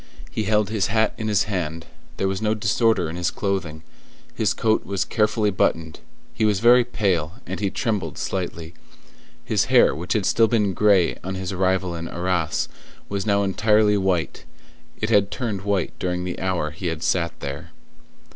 He held his hat in his hand; there was no disorder in his clothing; his coat was carefully buttoned; he was very pale, and he trembled slightly; his hair, which had still been gray on his arrival in Arras, was now entirely white: it had turned white during the hour he had sat there.